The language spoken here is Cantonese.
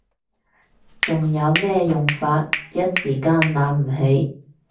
仲有咩用法？一時間諗唔起